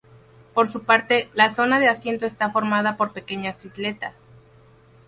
Por su parte, la zona de asiento está formada por pequeñas isletas.